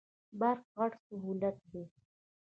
برق غټ سهولت دی.